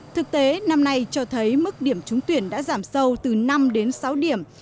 thực tế năm nay cho thấy mức điểm trúng tuyển đã giảm sâu từ năm đến sáu điểm